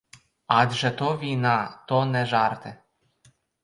Адже то війна, то не жарти.